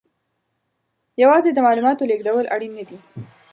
یوازې د معلوماتو لېږدول اړین نه دي.